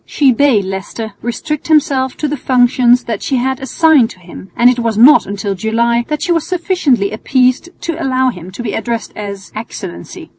She bade Leicester restrict himself to the functions that she had assigned to him, and it was not until July that she was sufficiently appeased to allow him to be addressed as "Excellency."